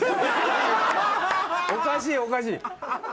おかしいおかしい！